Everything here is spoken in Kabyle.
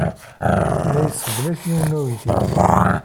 La yesseglaf yiwen n uydi.